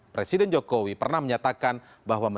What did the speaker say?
presiden jokowi pernah menyatakan bahwa